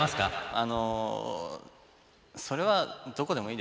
あのそれはどこでもいいです。